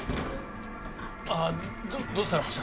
あどうされました？